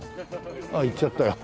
ああ行っちゃったよ。